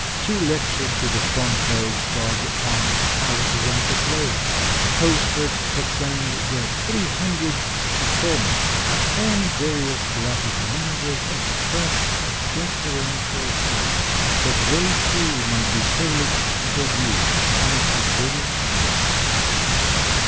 She lectured to the Front Row Club on "How to ;Write a Play." Posters proclaimed the "300th Performance." And various theatrical managers expressed a deferential hope that they, too, might 293 THE MAN WHO UNDERSTOOD WOMEN be privileged to produce some of her brilliant work.